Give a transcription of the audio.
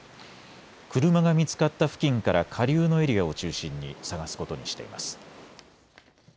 車が見つかった付近から下流のエリアを中心に捜すことにしています。